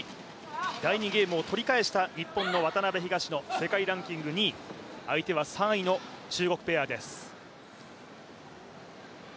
第２ゲームを取り返した日本の渡辺・東野、世界ランキング２位、相手は３位の中国ペアです。